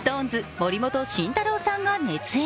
・森本慎太郎さんが熱演。